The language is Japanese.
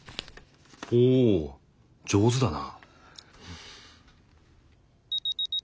おお上手だな。